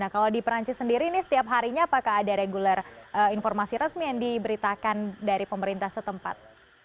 nah kalau di perancis sendiri ini setiap harinya apakah ada regular informasi resmi yang diberitakan dari pemerintah setempat